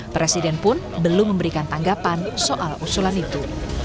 presiden pun belum memberikan tanggapan soal usulan itu